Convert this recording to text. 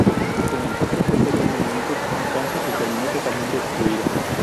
Con el tiempo, fue perdiendo minutos en cancha y terminó totalmente excluido.